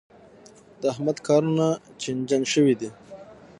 د احمد کارونه چينجن شوي دي.